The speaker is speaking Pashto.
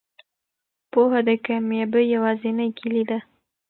پوهه د کامیابۍ یوازینۍ کیلي ده.